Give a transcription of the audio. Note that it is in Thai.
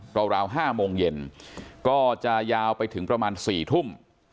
ราว๕โมงเย็นก็จะยาวไปถึงประมาณ๔ทุ่ม